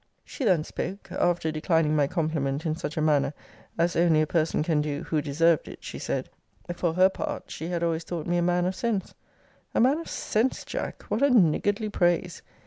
She then spoke: after declining my compliment in such a manner, as only a person can do, who deserved it, she said, For her part, she had always thought me a man of sense [a man of sense, Jack! What a niggardly praise!